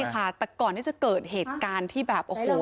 ก็คือเมื่อก่อนที่จะเกิดเหตุการณ์ที่แบบโอ้โห